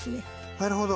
なるほど。